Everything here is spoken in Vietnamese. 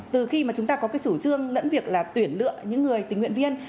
từ khi mà chúng ta có cái chủ trương lẫn việc là tuyển lựa những người tình nguyện viên